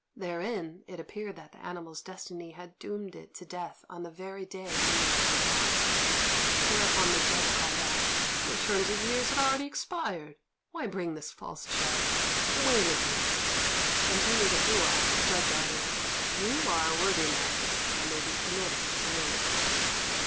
Therein it appeared that the animal's destiny had doomed it to death on the very day on which it had died; whereupon the judge cried out, "Your term of years had already expired; why bring this false charge? Away with you!" and turning to Hou, the judge added, "You are a worthy man, and may be permitted to live."